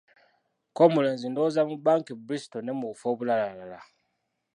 Ko omulenzi Ndowooza mu banka e Bristol ne mu bufo obulalalala.